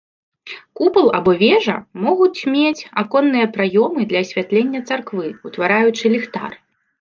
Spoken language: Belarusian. Купал або вежа могуць мець аконныя праёмы для асвятлення царквы, утвараючы ліхтар.